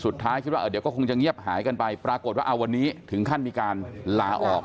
คิดว่าเดี๋ยวก็คงจะเงียบหายกันไปปรากฏว่าวันนี้ถึงขั้นมีการลาออก